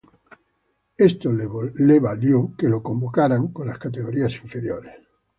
Esto le valió para ser convocado con las categorías inferiores.